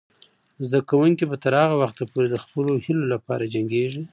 زده کوونکې به تر هغه وخته پورې د خپلو هیلو لپاره جنګیږي.